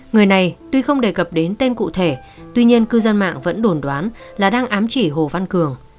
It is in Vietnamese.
người này tuy không đề cập đến tên cụ thể tuy nhiên cư dân mạng vẫn đồn đoán là đang ám chỉ hồ văn cường